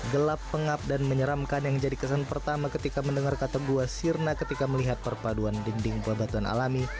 gelap pengap dan menyeramkan yang jadi kesan pertama ketika mendengar kata gua sirna ketika melihat perpaduan dinding bebatuan alami